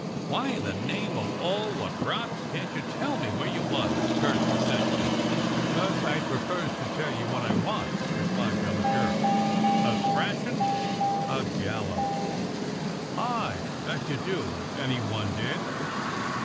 "Why, in the name of all wot rots, can't you tell me where you was.^^" cursed the sexton. " 'Cos I prefers to tell you what I wants," replied young Jerk. "Athrashin'?" "A gallows!" "Aye, that you do, if any one did."